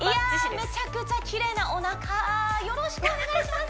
めちゃくちゃきれいなおなかよろしくお願いします